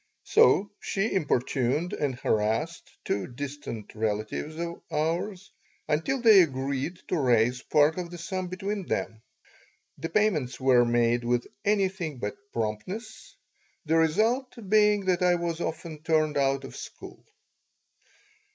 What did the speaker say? So she importuned and harassed two distant relatives of ours until they agreed to raise part of the sum between them. The payments were made with anything but promptness, the result being that I was often turned out of school.